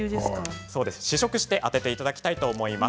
試食して当てていただきたいと思います。